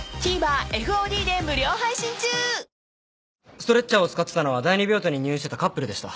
⁉ストレッチャーを使ってたのは第２病棟に入院してたカップルでした。